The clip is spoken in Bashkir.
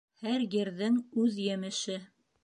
Һәр ерҙең үҙ емеше.